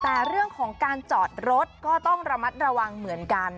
แต่เรื่องของการจอดรถก็ต้องระมัดระวังเหมือนกัน